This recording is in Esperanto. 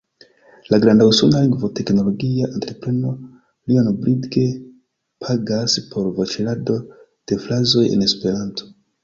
La granda usona lingvoteknologia entrepreno Lionbridge pagas por voĉlegado de frazoj en Esperanto.